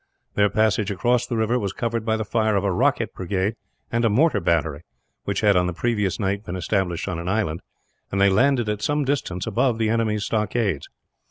Their passage across the river was covered by the fire of a rocket brigade and a mortar battery which had on the previous night been established on an island and they landed at some distance above the enemy's stockades.